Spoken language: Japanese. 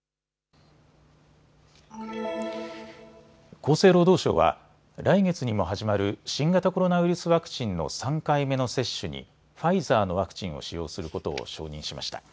厚生労働省は来月にも始まる新型コロナウイルスワクチンの３回目の接種にファイザーのワクチンを使用することを承認しました。